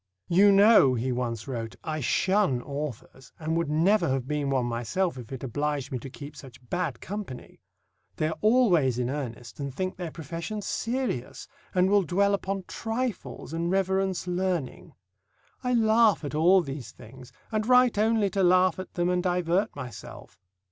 "You know," he once wrote, "I shun authors, and would never have been one myself if it obliged me to keep such bad company. They are always in earnest and think their profession serious, and will dwell upon trifles and reverence learning. I laugh at all these things, and write only to laugh at them and divert myself.